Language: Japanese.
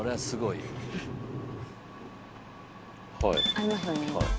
ありますよね？